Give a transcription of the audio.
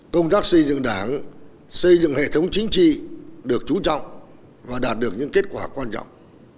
công tác xây dựng đảng xây dựng hệ thống chính trị được chú trọng và đạt được những kết quả quan trọng